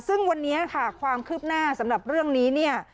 ซึ่งวันนี้ค่ะความคืบหน้าสำหรับเรื่องนี้เนี่ย